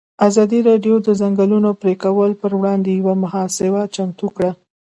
ازادي راډیو د د ځنګلونو پرېکول پر وړاندې یوه مباحثه چمتو کړې.